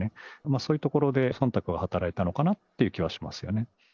そういうところでそんたくが働いたのかなっていう気はしますよね。